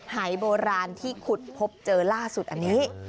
หายโบราณที่ขุดพบเจอล่าสุดอันนี้